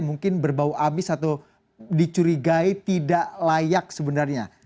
mungkin berbau amis atau dicurigai tidak layak sebenarnya